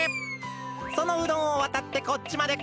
そのうどんをわたってこっちまでくるのだ。